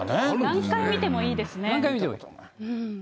何回見てもいいですね。